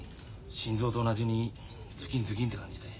心臓と同じにズキンズキンって感じで。